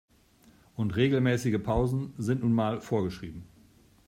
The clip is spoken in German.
Und regelmäßige Pausen sind nun mal vorgeschrieben.